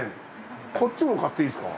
こっちも買っていいっすか？